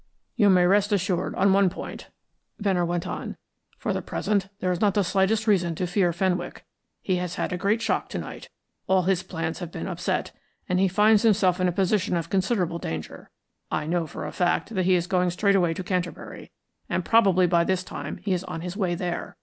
"You may rest assured on one point," Venner went on. "For the present there is not the slightest reason to fear Fenwick. He has had a great shock to night; all his plans have been upset, and he finds himself in a position of considerable danger. I know for a fact that he is going straight away to Canterbury, and probably by this time he is on his way there.